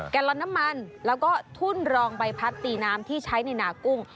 ลอนน้ำมันแล้วก็ทุ่นรองใบพัดตีน้ำที่ใช้ในหนากุ้ง